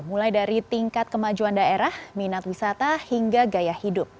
mulai dari tingkat kemajuan daerah minat wisata hingga gaya hidup